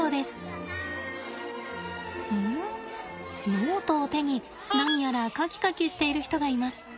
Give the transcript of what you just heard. ノートを手に何やら描き描きしている人がいます。